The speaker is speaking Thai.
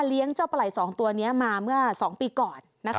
ปลาไหลสองตัวนี้มาเมื่อสองปีก่อน